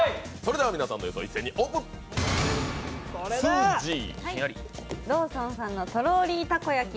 皆さんの予想、一斉にオープン！